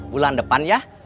bulan depan ya